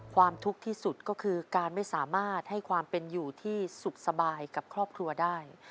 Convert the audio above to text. ทุกข์ที่สุดก็คือการไม่สามารถให้ความเป็นอยู่ที่สุขสบายกับครอบครัวได้